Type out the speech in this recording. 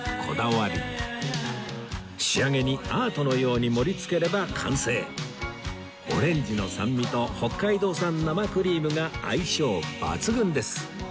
仕上げにアートのように盛り付ければ完成オレンジの酸味と北海道産生クリームが相性抜群です！